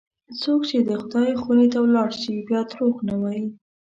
څوک چې د خدای خونې ته ولاړ شي، بیا دروغ نه وایي.